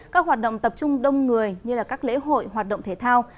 các hoạt động tập trung đông người như các lễ hội hoạt động thể thao